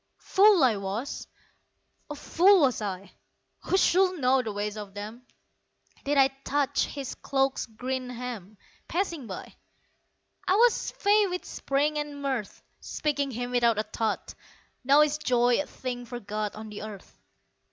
Fool I was oh, fool was I (Who should know the ways of them!) That I touched his cloak's green hem, Passing by. I was fey with spring and mirth Speaking him without a thought Now is joy a thing forgot On the earth.